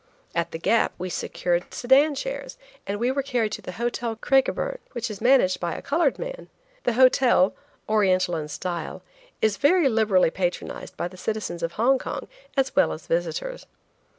At the Gap we secured sedan chairs, and were carried to the Hotel Craigiburn, which is managed by a colored man. The hotel–Oriental in style–is very liberally patronized by the citizens of Hong Kong, as well as visitors.